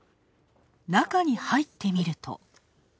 中に入ってみると。